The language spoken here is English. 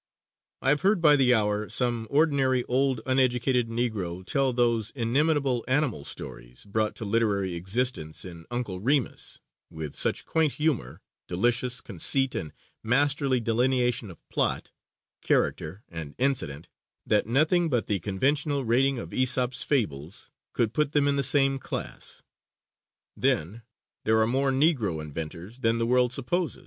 I have heard by the hour some ordinary old uneducated Negro tell those inimitable animal stories, brought to literary existence in "Uncle Remus," with such quaint humor, delicious conceit and masterly delineation of plot, character and incident that nothing but the conventional rating of Aesop's Fables could put them in the same class. Then, there are more Negro inventors than the world supposes.